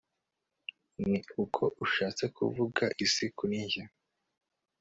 ni uko ushatse kuvuga isi kuri njye